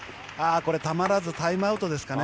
たまらずタイムアウトですかね。